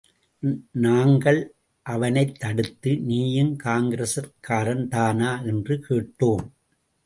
நாங்கள் அவனைத்தடுத்து, நீயும் காங்கிரஸ்காரன்தானா? என்று கேட்டோம்.